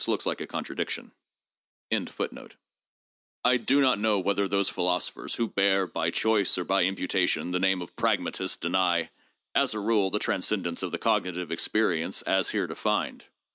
2 I do not know whether those philosophers who bear by choice or by imputation the name of pragmatists deny, as a rule, the tran scendence of the cognitive experience as here defined.